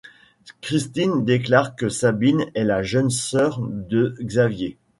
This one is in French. Christine déclare que Sabine est la jeune sœur de Xavier.